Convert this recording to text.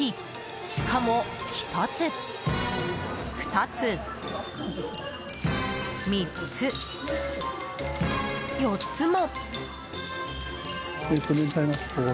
しかも、１つ、２つ３つ、４つも。